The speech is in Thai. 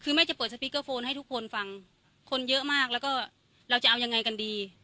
คือแม่จะเปิดสปีกเกอร์โฟนให้ทุกคนฟังคนเยอะมากแล้วก็เราจะเอายังไงกันดี